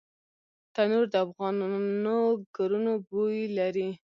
تنور د افغانو کورونو بوی لري